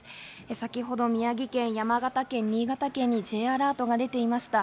先ほど宮城県、山形県、新潟県にＪアラートが出ていました。